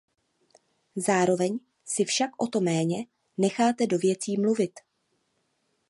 Zároveň si však o to méně necháte do věcí mluvit.